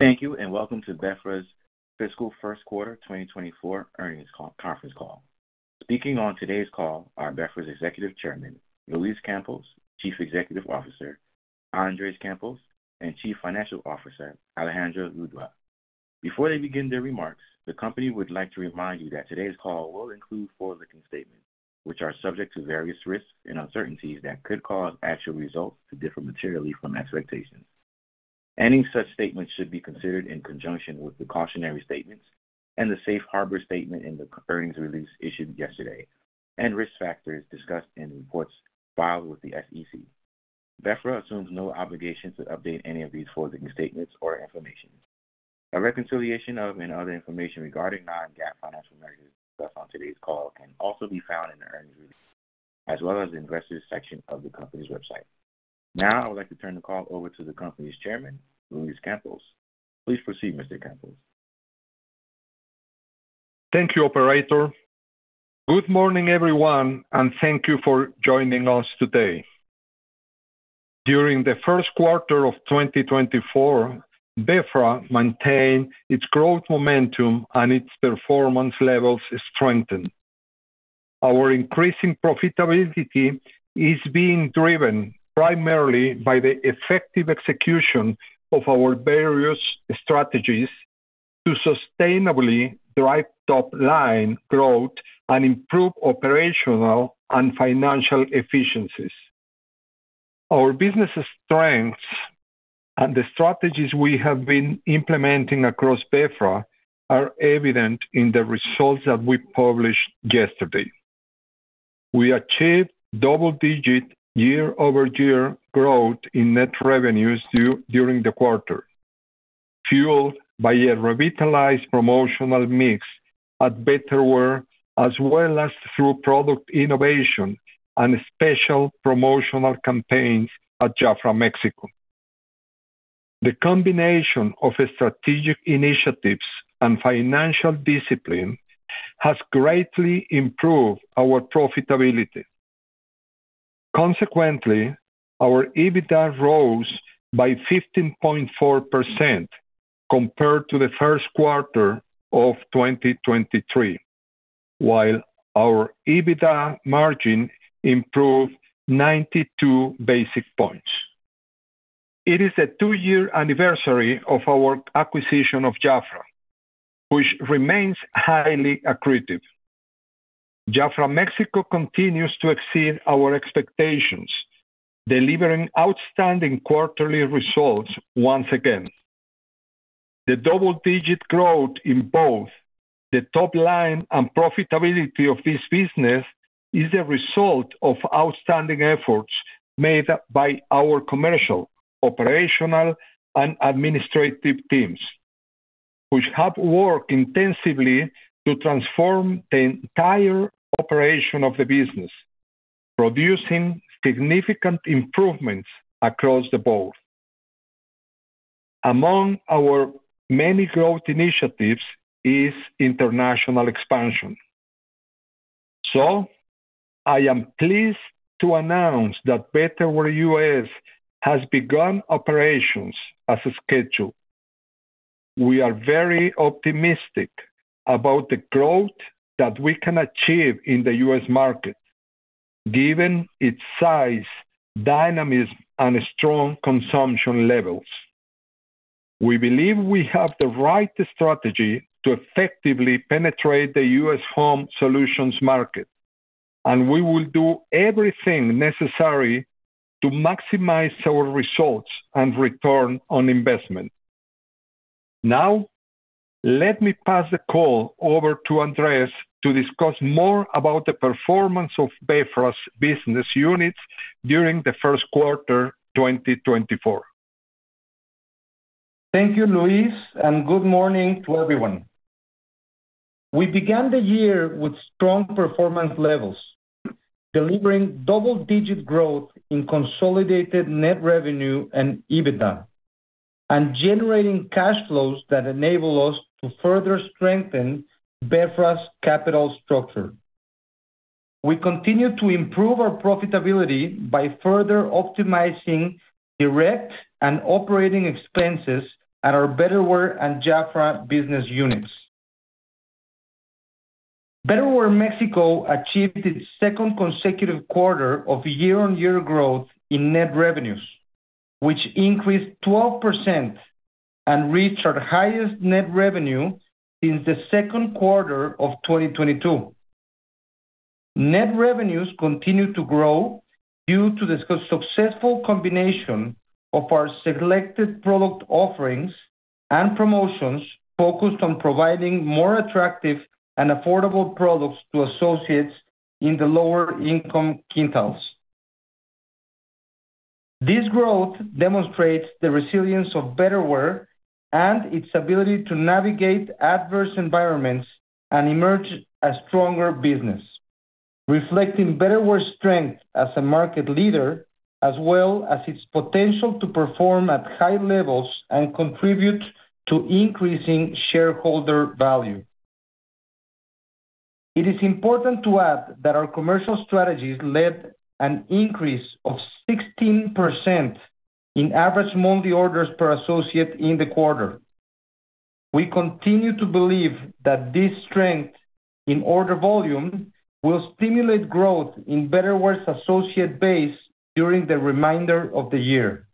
Thank you and welcome to BeFra's fiscal first quarter 2024 earnings conference call. Speaking on today's call are BeFra's Executive Chairman Luis Campos, Chief Executive Officer Andrés Campos, and Chief Financial Officer Alejandro Ulloa. Before they begin their remarks, the company would like to remind you that today's call will include forward-looking statements, which are subject to various risks and uncertainties that could cause actual results to differ materially from expectations. Any such statements should be considered in conjunction with the cautionary statements and the safe harbor statement in the earnings release issued yesterday, and risk factors discussed in reports filed with the SEC. BeFra assumes no obligation to update any of these forward-looking statements or information. A reconciliation of and other information regarding non-GAAP financial measures discussed on today's call can also be found in the earnings release, as well as the investors section of the company's website. Now I would like to turn the call over to the company's Chairman, Luis Campos. Please proceed, Mr. Campos. Thank you, Operator. Good morning, everyone, and thank you for joining us today. During the first quarter of 2024, BeFra maintained its growth momentum and its performance levels strengthened. Our increasing profitability is being driven primarily by the effective execution of our various strategies to sustainably drive top-line growth and improve operational and financial efficiencies. Our business strengths and the strategies we have been implementing across BeFra are evident in the results that we published yesterday. We achieved double-digit year-over-year growth in net revenues during the quarter, fueled by a revitalized promotional mix at Betterware as well as through product innovation and special promotional campaigns at JAFRA Mexico. The combination of strategic initiatives and financial discipline has greatly improved our profitability. Consequently, our EBITDA rose by 15.4% compared to the first quarter of 2023, while our EBITDA margin improved 92 basis points. It is the two-year anniversary of our acquisition of JAFRA, which remains highly accretive. JAFRA Mexico continues to exceed our expectations, delivering outstanding quarterly results once again. The double-digit growth in both the top-line and profitability of this business is the result of outstanding efforts made by our commercial, operational, and administrative teams, which have worked intensively to transform the entire operation of the business, producing significant improvements across the board. Among our many growth initiatives is international expansion. I am pleased to announce that Betterware US has begun operations as scheduled. We are very optimistic about the growth that we can achieve in the U.S. market, given its size, dynamism, and strong consumption levels. We believe we have the right strategy to effectively penetrate the U.S. home solutions market, and we will do everything necessary to maximize our results and return on investment. Now, let me pass the call over to Andrés to discuss more about the performance of BeFra's business units during the first quarter 2024. Thank you, Luis, and good morning to everyone. We began the year with strong performance levels, delivering double-digit growth in consolidated net revenue and EBITDA, and generating cash flows that enable us to further strengthen BeFra's capital structure. We continue to improve our profitability by further optimizing direct and operating expenses at our Betterware and Jafra business units. Betterware Mexico achieved its second consecutive quarter of year-on-year growth in net revenues, which increased 12% and reached our highest net revenue since the second quarter of 2022. Net revenues continue to grow due to the successful combination of our selected product offerings and promotions focused on providing more attractive and affordable products to associates in the lower-income quintiles. This growth demonstrates the resilience of Betterware and its ability to navigate adverse environments and emerge a stronger business, reflecting Betterware's strength as a market leader as well as its potential to perform at high levels and contribute to increasing shareholder value. It is important to add that our commercial strategies led an increase of 16% in average monthly orders per associate in the quarter. We continue to believe that this strength in order volume will stimulate growth in Betterware's associate base during the remainder of the year.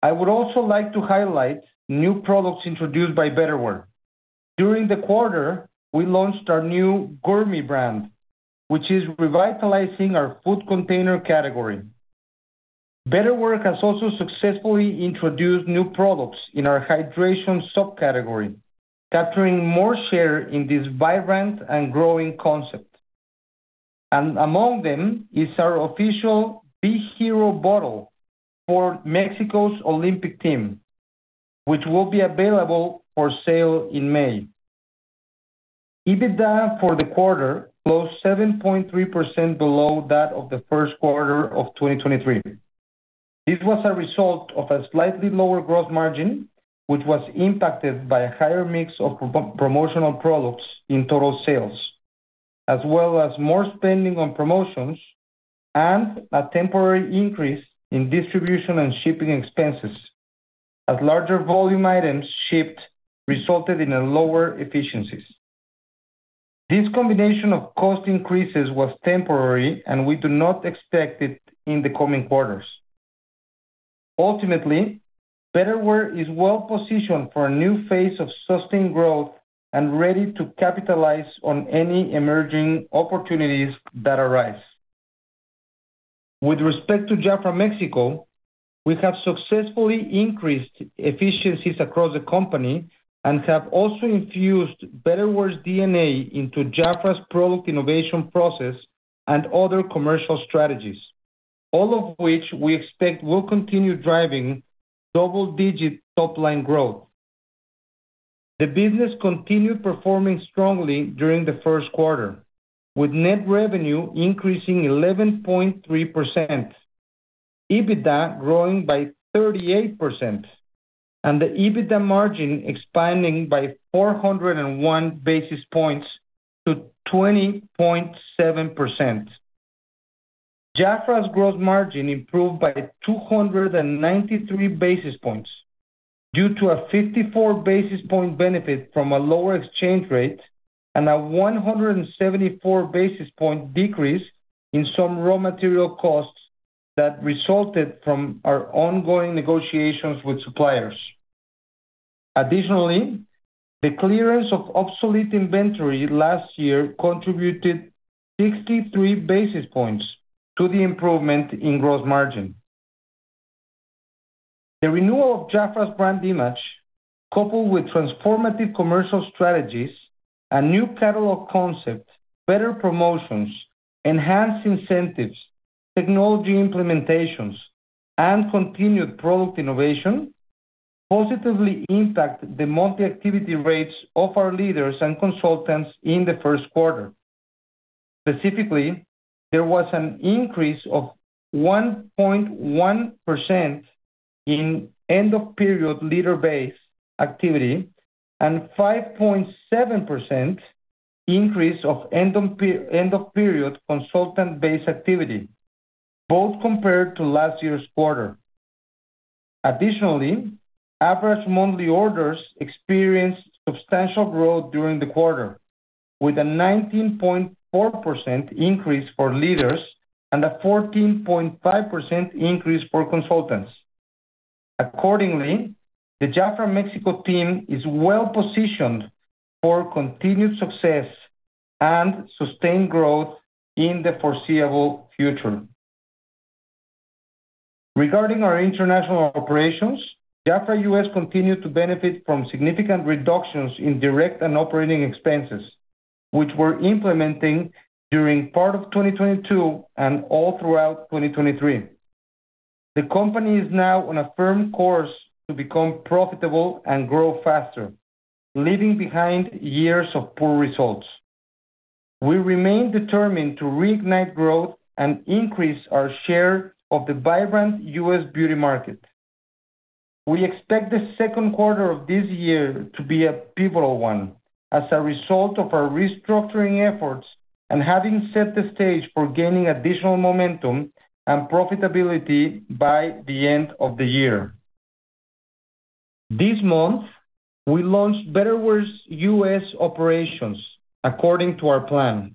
I would also like to highlight new products introduced by Betterware. During the quarter, we launched our new Gourmet brand, which is revitalizing our food container category. Betterware has also successfully introduced new products in our hydration subcategory, capturing more share in this vibrant and growing concept. Among them is our official B-Hero bottle for Mexico's Olympic team, which will be available for sale in May. EBITDA for the quarter closed 7.3% below that of the first quarter of 2023. This was a result of a slightly lower gross margin, which was impacted by a higher mix of promotional products in total sales, as well as more spending on promotions and a temporary increase in distribution and shipping expenses, as larger volume items shipped resulted in lower efficiencies. This combination of cost increases was temporary, and we do not expect it in the coming quarters. Ultimately, Betterware is well-positioned for a new phase of sustained growth and ready to capitalize on any emerging opportunities that arise. With respect to JAFRA Mexico, we have successfully increased efficiencies across the company and have also infused Betterware's DNA into JAFRA's product innovation process and other commercial strategies, all of which we expect will continue driving double-digit top-line growth. The business continued performing strongly during the first quarter, with net revenue increasing 11.3%, EBITDA growing by 38%, and the EBITDA margin expanding by 401 basis points to 20.7%. JAFRA's gross margin improved by 293 basis points due to a 54 basis point benefit from a lower exchange rate and a 174 basis point decrease in some raw material costs that resulted from our ongoing negotiations with suppliers. Additionally, the clearance of obsolete inventory last year contributed 63 basis points to the improvement in gross margin. The renewal of JAFRA's brand image, coupled with transformative commercial strategies, a new catalog concept, better promotions, enhanced incentives, technology implementations, and continued product innovation, positively impacted the monthly activity rates of our leaders and consultants in the first quarter. Specifically, there was an increase of 1.1% in end-of-period leader base activity and a 5.7% increase of end-of-period consultant base activity, both compared to last year's quarter. Additionally, average monthly orders experienced substantial growth during the quarter, with a 19.4% increase for leaders and a 14.5% increase for consultants. Accordingly, the JAFRA Mexico team is well-positioned for continued success and sustained growth in the foreseeable future. Regarding our international operations, JAFRA US continued to benefit from significant reductions in direct and operating expenses, which we're implementing during part of 2022 and all throughout 2023. The company is now on a firm course to become profitable and grow faster, leaving behind years of poor results. We remain determined to reignite growth and increase our share of the vibrant U.S. beauty market. We expect the second quarter of this year to be a pivotal one as a result of our restructuring efforts and having set the stage for gaining additional momentum and profitability by the end of the year. This month, we launched Betterware's U.S. operations according to our plan.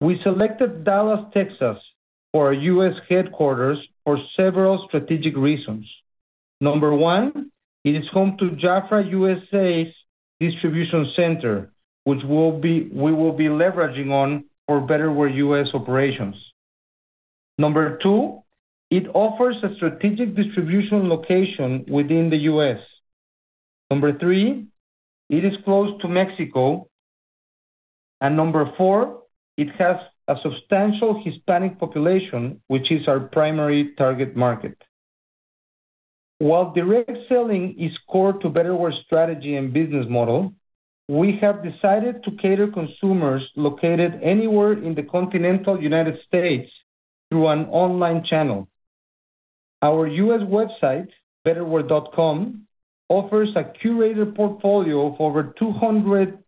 We selected Dallas, Texas, for our U.S. headquarters for several strategic reasons. Number 1, it is home to JAFRA USA's distribution center, which we will be leveraging on for Betterware U.S. operations. Number 2, it offers a strategic distribution location within the U.S. Number 3, it is close to Mexico. And number 4, it has a substantial Hispanic population, which is our primary target market. While direct selling is core to Betterware's strategy and business model, we have decided to cater consumers located anywhere in the continental United States through an online channel. Our U.S. website, betterware.com, offers a curated portfolio of over 200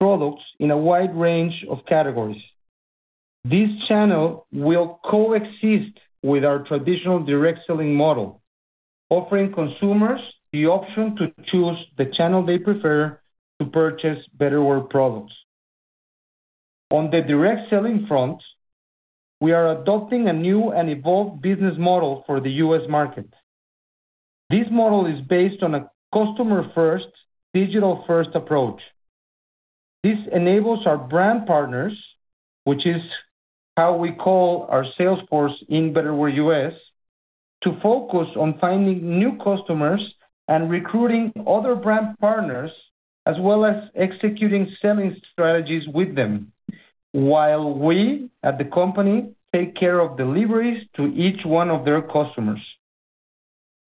products in a wide range of categories. This channel will coexist with our traditional direct selling model, offering consumers the option to choose the channel they prefer to purchase Betterware products. On the direct selling front, we are adopting a new and evolved business model for the U.S. market. This model is based on a customer-first, digital-first approach. This enables our brand partners, which is how we call our sales force in Betterware US, to focus on finding new customers and recruiting other brand partners as well as executing selling strategies with them, while we at the company take care of deliveries to each one of their customers.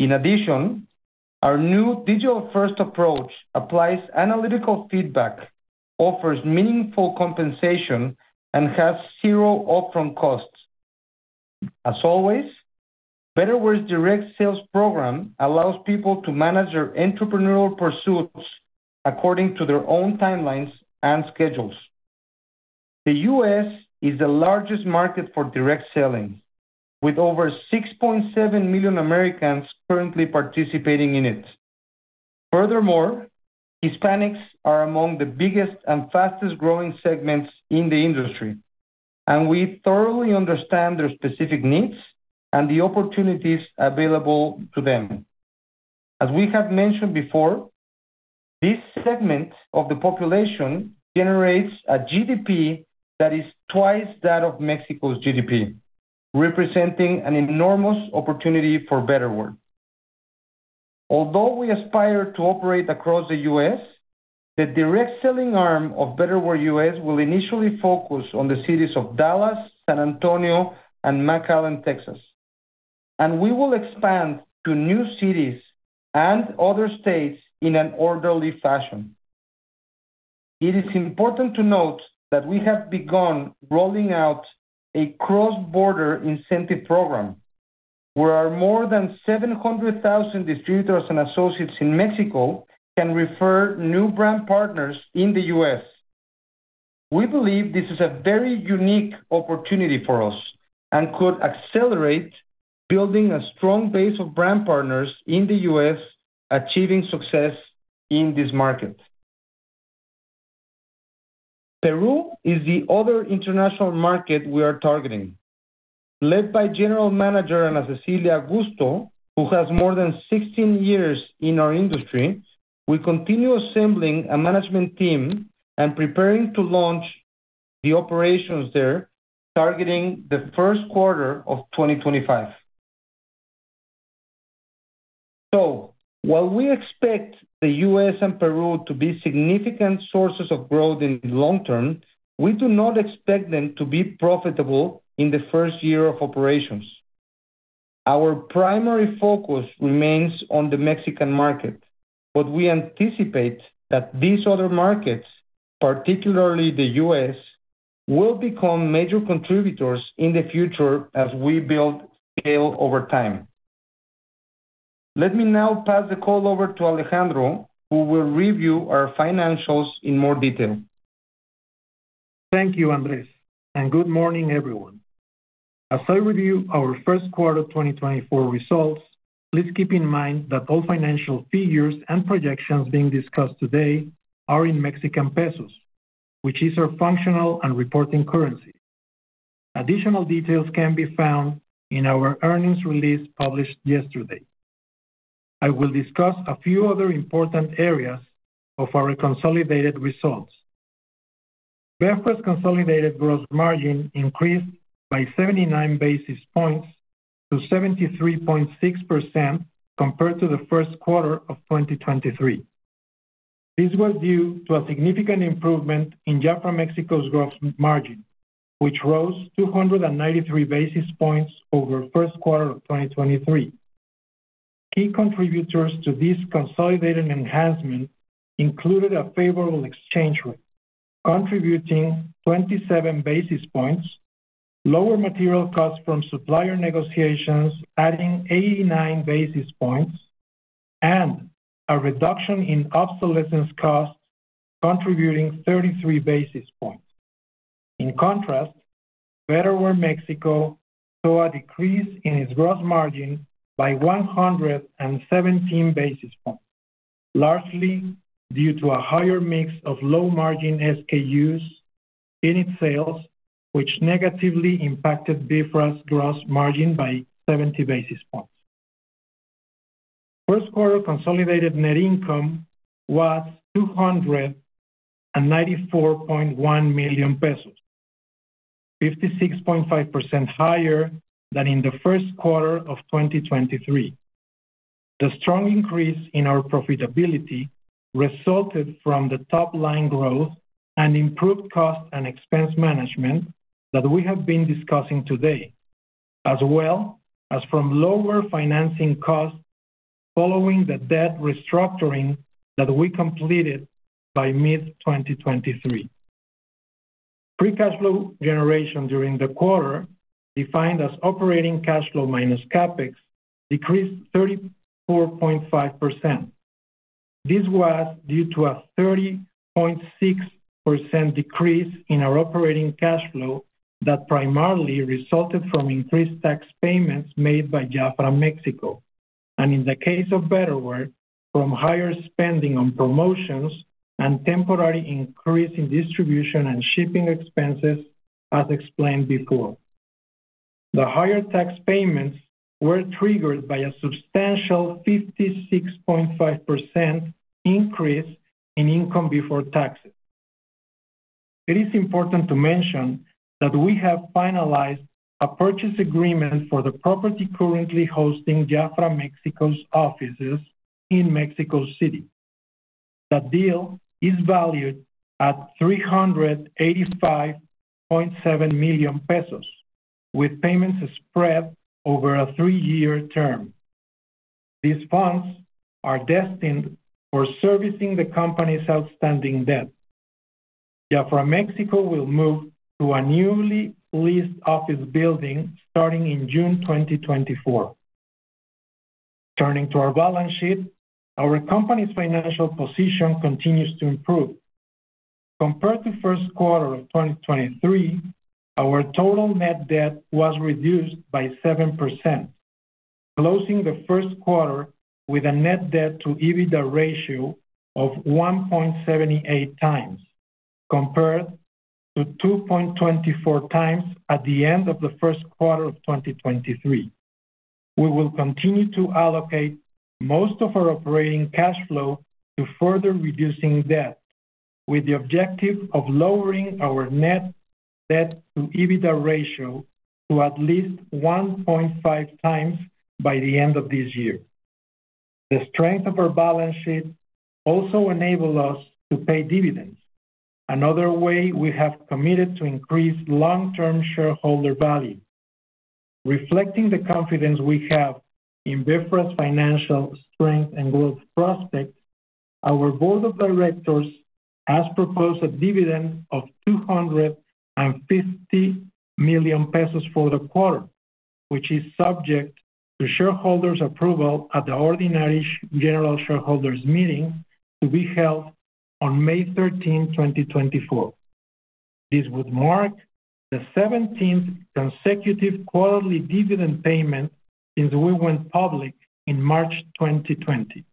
In addition, our new digital-first approach applies analytical feedback, offers meaningful compensation, and has zero upfront costs. As always, Betterware's direct sales program allows people to manage their entrepreneurial pursuits according to their own timelines and schedules. The U.S. is the largest market for direct selling, with over 6.7 million Americans currently participating in it. Furthermore, Hispanics are among the biggest and fastest-growing segments in the industry, and we thoroughly understand their specific needs and the opportunities available to them. As we have mentioned before, this segment of the population generates a GDP that is twice that of Mexico's GDP, representing an enormous opportunity for Betterware. Although we aspire to operate across the U.S., the direct selling arm of Betterware US will initially focus on the cities of Dallas, San Antonio, and McAllen, Texas. We will expand to new cities and other states in an orderly fashion. It is important to note that we have begun rolling out a cross-border incentive program, where more than 700,000 distributors and associates in Mexico can refer new brand partners in the U.S. We believe this is a very unique opportunity for us and could accelerate building a strong base of brand partners in the U.S. achieving success in this market. Peru is the other international market we are targeting. Led by General Manager Ana Cecilia Augusto, who has more than 16 years in our industry, we continue assembling a management team and preparing to launch the operations there, targeting the first quarter of 2025. So while we expect the U.S. and Peru to be significant sources of growth in the long term, we do not expect them to be profitable in the first year of operations. Our primary focus remains on the Mexican market, but we anticipate that these other markets, particularly the U.S., will become major contributors in the future as we build scale over time. Let me now pass the call over to Alejandro, who will review our financials in more detail. Thank you, Andrés, and good morning, everyone. As I review our first quarter 2024 results, please keep in mind that all financial figures and projections being discussed today are in Mexican pesos, which is our functional and reporting currency. Additional details can be found in our earnings release published yesterday. I will discuss a few other important areas of our consolidated results. BeFra's consolidated gross margin increased by 79 basis points to 73.6% compared to the first quarter of 2023. This was due to a significant improvement in JAFRA Mexico's gross margin, which rose 293 basis points over first quarter of 2023. Key contributors to this consolidated enhancement included a favorable exchange rate, contributing 27 basis points, lower material costs from supplier negotiations adding 89 basis points, and a reduction in obsolescence costs contributing 33 basis points. In contrast, Betterware Mexico saw a decrease in its gross margin by 117 basis points, largely due to a higher mix of low-margin SKUs in its sales, which negatively impacted BEFRA's gross margin by 70 basis points. First quarter consolidated net income was 294.1 million pesos, 56.5% higher than in the first quarter of 2023. The strong increase in our profitability resulted from the top-line growth and improved cost and expense management that we have been discussing today, as well as from lower financing costs following the debt restructuring that we completed by mid-2023. Free cash flow generation during the quarter, defined as operating cash flow minus CapEx, decreased 34.5%. This was due to a 30.6% decrease in our operating cash flow that primarily resulted from increased tax payments made by JAFRA Mexico, and in the case of Betterware, from higher spending on promotions and temporary increase in distribution and shipping expenses, as explained before. The higher tax payments were triggered by a substantial 56.5% increase in income before taxes. It is important to mention that we have finalized a purchase agreement for the property currently hosting JAFRA Mexico's offices in Mexico City. That deal is valued at 385.7 million pesos, with payments spread over a three-year term. These funds are destined for servicing the company's outstanding debt. JAFRA Mexico will move to a newly leased office building starting in June 2024. Turning to our balance sheet, our company's financial position continues to improve. Compared to first quarter of 2023, our total net debt was reduced by 7%, closing the first quarter with a net debt-to-EBITDA ratio of 1.78 times, compared to 2.24 times at the end of the first quarter of 2023. We will continue to allocate most of our operating cash flow to further reducing debt, with the objective of lowering our net debt-to-EBITDA ratio to at least 1.5 times by the end of this year. The strength of our balance sheet also enables us to pay dividends, another way we have committed to increase long-term shareholder value. Reflecting the confidence we have in BEFRA's financial strength and growth prospects, our board of directors has proposed a dividend of 250 million pesos for the quarter, which is subject to shareholders' approval at the ordinary general shareholders' meeting to be held on May 13, 2024. This would mark the 17th consecutive quarterly dividend payment since we went public in March 2020.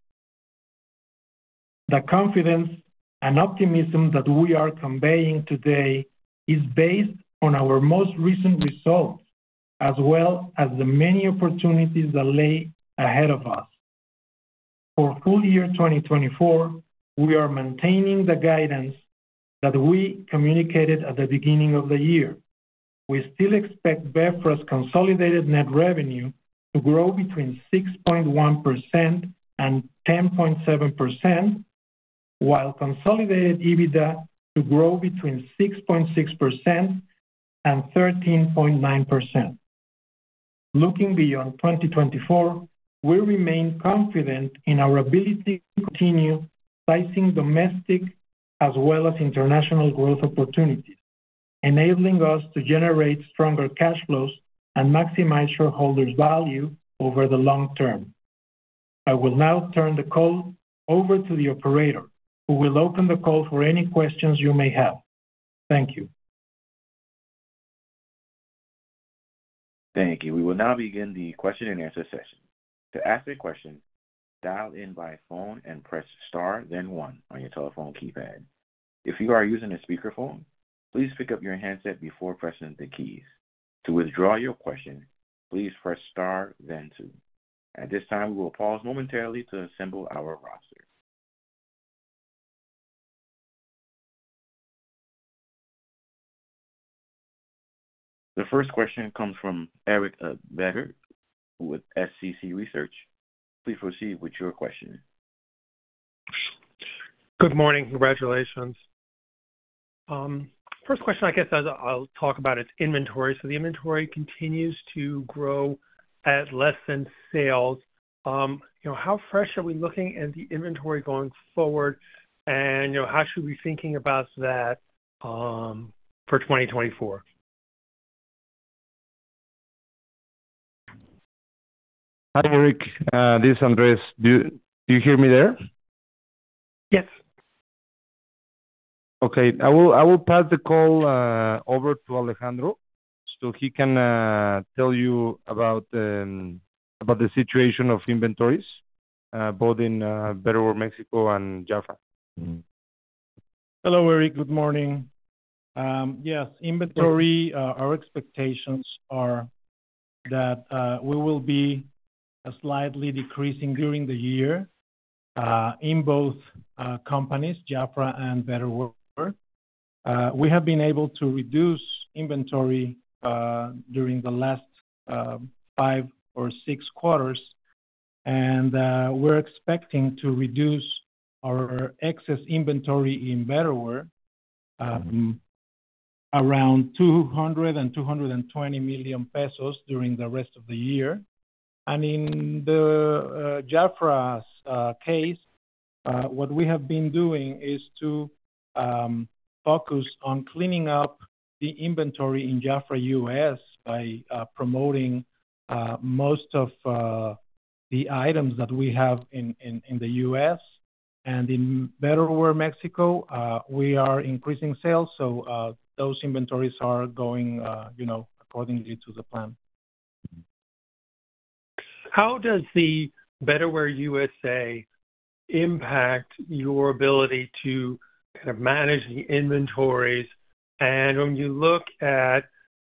The confidence and optimism that we are conveying today is based on our most recent results, as well as the many opportunities that lay ahead of us. For full year 2024, we are maintaining the guidance that we communicated at the beginning of the year. We still expect BEFRA's consolidated net revenue to grow between 6.1% and 10.7%, while consolidated EBITDA to grow between 6.6% and 13.9%. Looking beyond 2024, we remain confident in our ability to continue sizing domestic as well as international growth opportunities, enabling us to generate stronger cash flows and maximize shareholders' value over the long term. I will now turn the call over to the operator, who will open the call for any questions you may have. Thank you. Thank you. We will now begin the question-and-answer session. To ask a question, dial in by phone and press star, then one, on your telephone keypad. If you are using a speakerphone, please pick up your handset before pressing the keys. To withdraw your question, please press star, then two. At this time, we will pause momentarily to assemble our roster. The first question comes from Eric Beder, with SCC Research. Please proceed with your question. Good morning. Congratulations. First question, I guess I'll talk about is inventory. So the inventory continues to grow at less than sales. How fresh are we looking at the inventory going forward, and how should we be thinking about that for 2024? Hi, Eric. This is Andrés. Do you hear me there? Yes. Okay. I will pass the call over to Alejandro so he can tell you about the situation of inventories both in Betterware Mexico and JAFRA. Hello, Eric. Good morning. Yes, inventory, our expectations are that we will be slightly decreasing during the year in both companies, JAFRA and Betterware. We have been able to reduce inventory during the last 5 or 6 quarters, and we're expecting to reduce our excess inventory in Betterware around 200 million-220 million pesos during the rest of the year. In JAFRA's case, what we have been doing is to focus on cleaning up the inventory in JAFRA US by promoting most of the items that we have in the US. In Betterware Mexico, we are increasing sales, so those inventories are going accordingly to the plan. How does the Betterware USA impact your ability to kind of manage the inventories? When you look at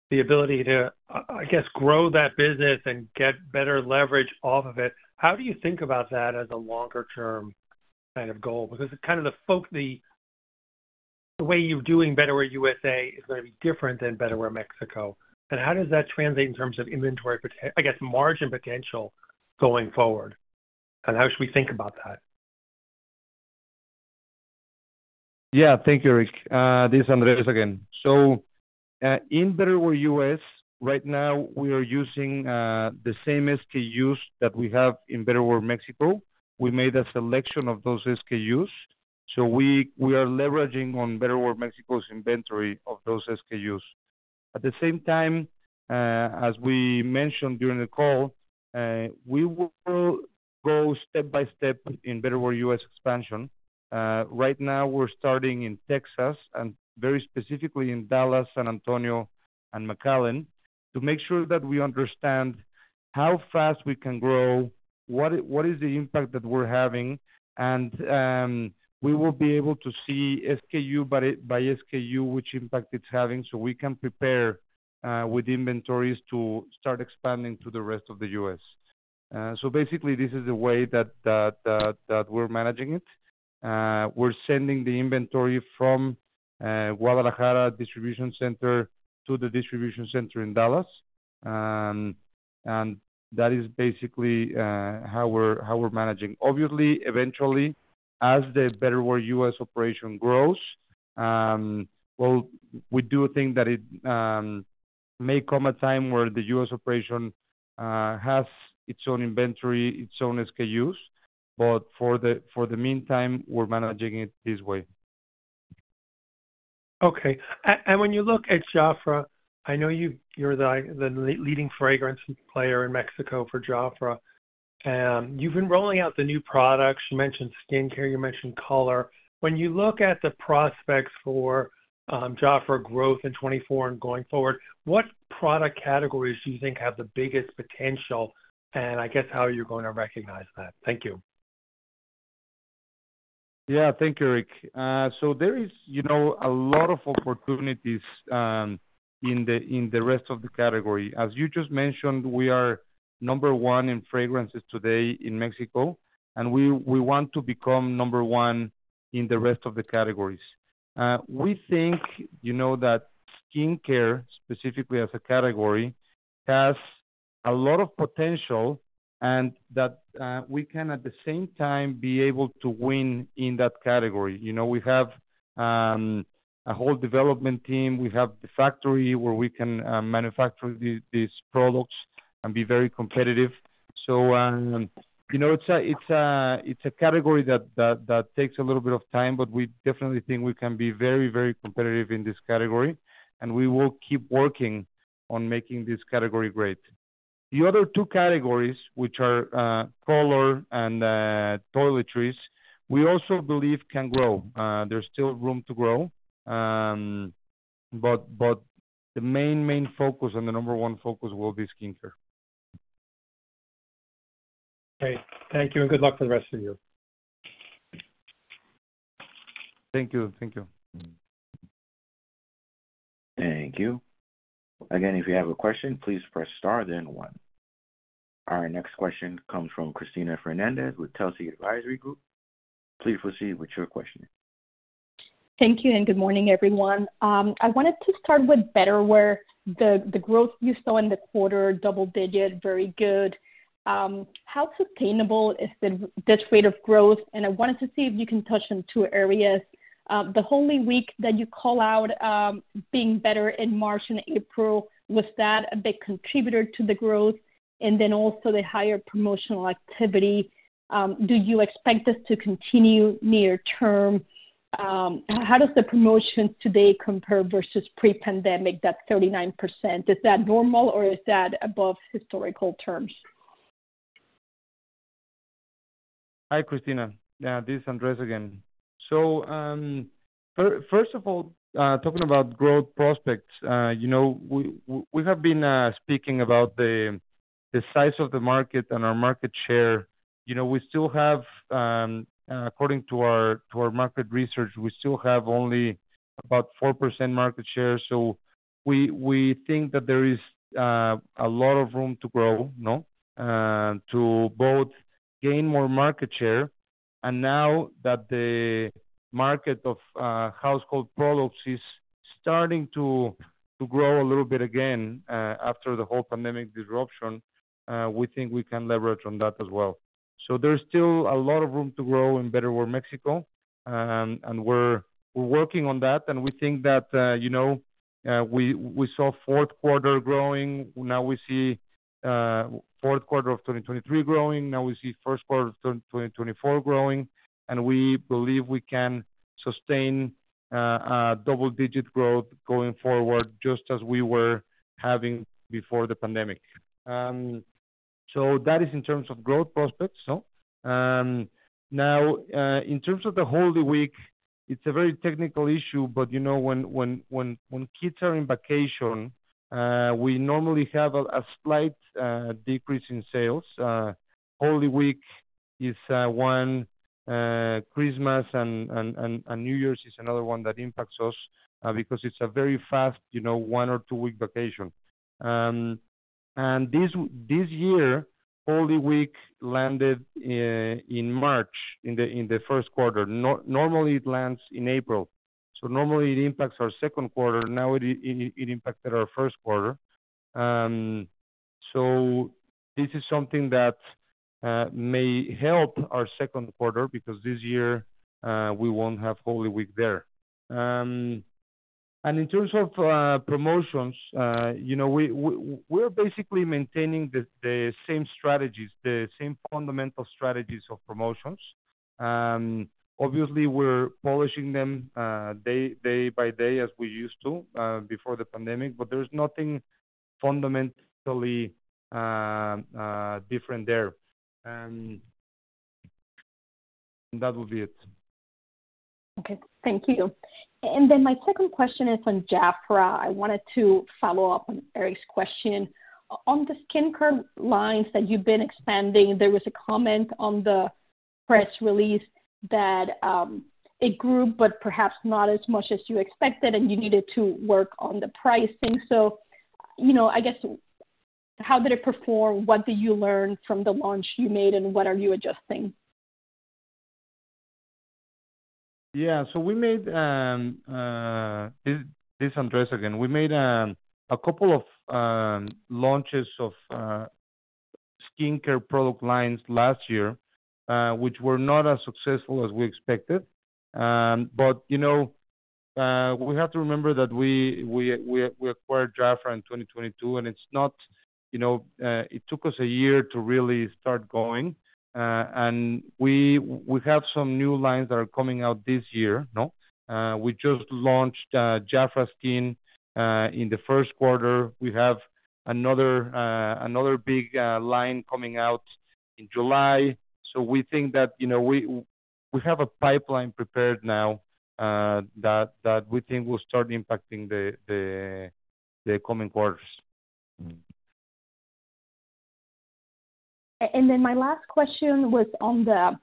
the ability to, I guess, grow that business and get better leverage off of it, how do you think about that as a longer-term kind of goal? Because kind of the way you're doing Betterware US is going to be different than Betterware Mexico. And how does that translate in terms of inventory, I guess, margin potential going forward? And how should we think about that? Yeah. Thank you, Eric. This is Andrés again. So in Betterware US, right now, we are using the same SKUs that we have in Betterware Mexico. We made a selection of those SKUs. So we are leveraging on Betterware Mexico's inventory of those SKUs. At the same time, as we mentioned during the call, we will go step by step in Betterware US expansion. Right now, we're starting in Texas, and very specifically in Dallas, San Antonio, and McAllen, to make sure that we understand how fast we can grow, what is the impact that we're having, and we will be able to see SKU by SKU which impact it's having so we can prepare with inventories to start expanding to the rest of the US. So basically, this is the way that we're managing it. We're sending the inventory from Guadalajara distribution center to the distribution center in Dallas. That is basically how we're managing. Obviously, eventually, as the Betterware US operation grows, well, we do think that it may come a time where the US operation has its own inventory, its own SKUs. But for the meantime, we're managing it this way. Okay. When you look at JAFRA, I know you're the leading fragrance player in Mexico for JAFRA. You've been rolling out the new products. You mentioned skincare. You mentioned color. When you look at the prospects for JAFRA growth in 2024 and going forward, what product categories do you think have the biggest potential, and I guess how you're going to recognize that? Thank you. Yeah. Thank you, Eric. So there is a lot of opportunities in the rest of the category. As you just mentioned, we are number one in fragrances today in Mexico, and we want to become number one in the rest of the categories. We think that skincare, specifically as a category, has a lot of potential and that we can, at the same time, be able to win in that category. We have a whole development team. We have the factory where we can manufacture these products and be very competitive. So it's a category that takes a little bit of time, but we definitely think we can be very, very competitive in this category, and we will keep working on making this category great. The other two categories, which are color and toiletries, we also believe can grow. There's still room to grow. But the main, main focus and the number one focus will be skincare. Okay. Thank you, and good luck for the rest of you. Thank you. Thank you. Thank you. Again, if you have a question, please press star, then one. Our next question comes from Christina Fernández with Telsey Advisory Group. Please proceed with your question. Thank you, and good morning, everyone. I wanted to start with Betterware. The growth you saw in the quarter, double-digit, very good. How sustainable is this rate of growth? I wanted to see if you can touch on two areas. The Holy Week that you call out being better in March and April, was that a big contributor to the growth? And then also the higher promotional activity. Do you expect this to continue near-term? How does the promotions today compare versus pre-pandemic, that 39%? Is that normal, or is that above historical terms? Hi, Christina. This is Andrés again. So first of all, talking about growth prospects, we have been speaking about the size of the market and our market share. According to our market research, we still have only about 4% market share. So we think that there is a lot of room to grow, to both gain more market share. And now that the market of household products is starting to grow a little bit again after the whole pandemic disruption, we think we can leverage on that as well. So there's still a lot of room to grow in Betterware Mexico, and we're working on that. And we think that we saw fourth quarter growing. Now we see fourth quarter of 2023 growing. Now we see first quarter of 2024 growing. And we believe we can sustain double-digit growth going forward just as we were having before the pandemic. So that is in terms of growth prospects. Now, in terms of the Holy Week, it's a very technical issue, but when kids are in vacation, we normally have a slight decrease in sales. Holy Week is one. Christmas and New Year's is another one that impacts us because it's a very fast 1- or 2-week vacation. And this year, Holy Week landed in March, in the first quarter. Normally, it lands in April. So normally, it impacts our second quarter. Now it impacted our first quarter. So this is something that may help our second quarter because this year, we won't have Holy Week there. And in terms of promotions, we are basically maintaining the same strategies, the same fundamental strategies of promotions. Obviously, we're polishing them day by day as we used to before the pandemic, but there's nothing fundamentally different there. And that would be it. Okay. Thank you. And then my second question is on JAFRA. I wanted to follow up on Eric's question. On the skincare lines that you've been expanding, there was a comment on the press release that it grew, but perhaps not as much as you expected, and you needed to work on the pricing. So I guess, how did it perform? What did you learn from the launch you made, and what are you adjusting? Yeah. So we made—this is Andrés again. We made a couple of launches of skincare product lines last year, which were not as successful as we expected. But we have to remember that we acquired JAFRA in 2022, and it took us a year to really start going. And we have some new lines that are coming out this year. We just launched JAFRA Skin in the first quarter. We have another big line coming out in July. So we think that we have a pipeline prepared now that we think will start impacting the coming quarters. And then my last question was on the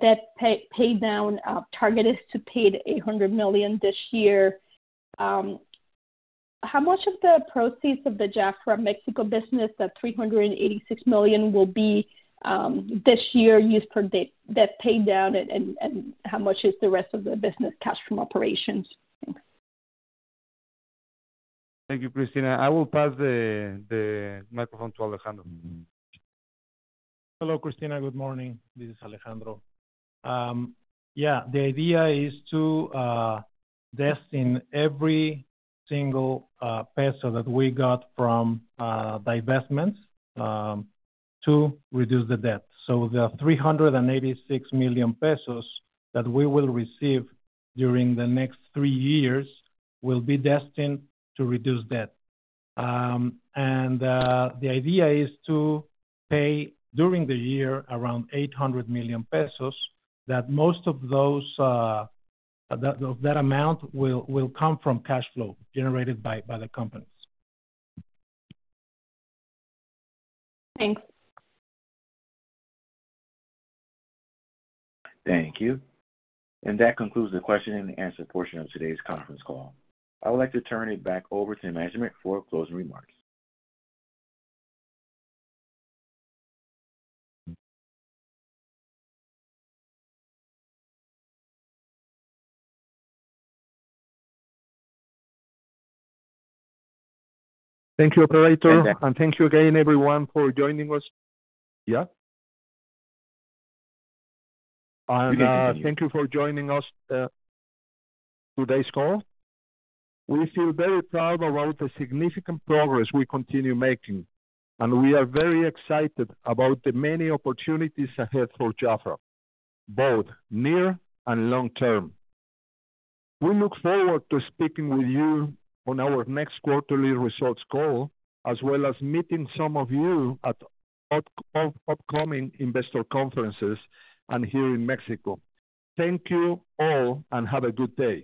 debt paydown target is to pay 800 million this year. How much of the proceeds of the JAFRA Mexico business, that 386 million, will be this year used for debt paydown, and how much is the rest of the business cash from operations? Thanks. Thank you, Christina. I will pass the microphone to Alejandro. Hello, Christina. Good morning. This is Alejandro. Yeah. The idea is to destine every single peso that we got from divestments to reduce the debt. So the 386 million pesos that we will receive during the next three years will be destined to reduce debt. And the idea is to pay during the year around 800 million pesos, that most of that amount will come from cash flow generated by the companies. Thanks. Thank you. And that concludes the question and answer portion of today's conference call. I would like to turn it back over to management for closing remarks. Thank you, operator. Thank you again, everyone, for joining us. You can continue. Thank you for joining us today's call. We feel very proud about the significant progress we continue making, and we are very excited about the many opportunities ahead for JAFRA, both near and long term. We look forward to speaking with you on our next quarterly results call, as well as meeting some of you at upcoming investor conferences and here in Mexico. Thank you all, and have a good day.